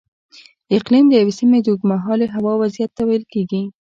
اقلیم د یوې سیمې د اوږدمهالې هوا وضعیت ته ویل کېږي.